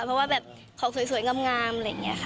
เพราะว่าแบบของสวยงามอะไรอย่างนี้ค่ะ